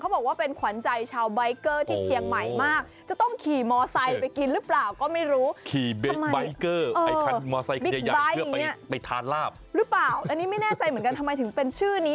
อันนี้ไม่แน่ใจเงินทำไมถึงเป็นชื่อนี้